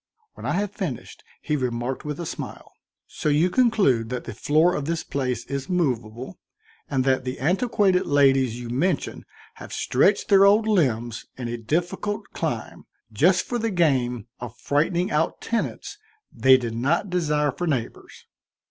When I had finished, he remarked with a smile: "So you conclude that the floor of this place is movable and that the antiquated ladies you mention have stretched their old limbs in a difficult climb, just for the game of frightening out tenants they did not desire for neighbors?"